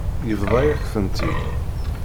Yebḍa-yak-tent-id.